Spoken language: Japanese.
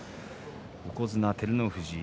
横綱照ノ富士